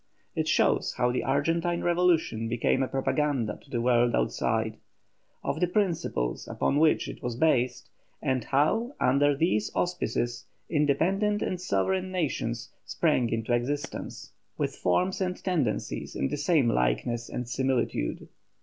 It shows how the Argentine revolution became a propaganda to the world outside, of the principles upon which it was based, and how under these auspices independent and sovereign nations sprang into existence, with forms and tendencies in the same likeness and similitude.